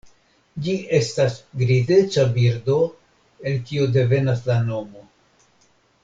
Ĝi estas grizeca birdo, el kio devenas la nomo.